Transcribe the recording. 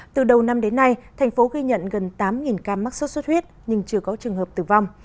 từ đầu năm đến nay thành phố ghi nhận gần tám ca mắc sốt xuất huyết nhưng chưa có trường hợp tử vong